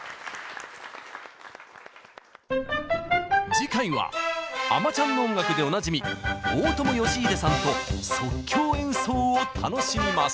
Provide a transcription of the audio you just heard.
次回は「あまちゃん」の音楽でおなじみ大友良英さんと即興演奏を楽しみます。